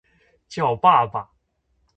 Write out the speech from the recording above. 叫爸爸